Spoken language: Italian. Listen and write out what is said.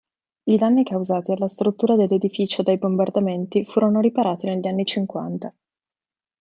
I danni causati alla struttura dell'edificio dai bombardamenti furono riparati negli anni cinquanta.